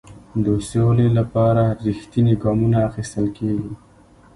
د سولې لپاره رښتیني ګامونه اخیستل کیږي.